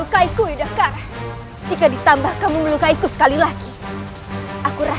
bukankah kau katakan kau mencintaiku yudhakara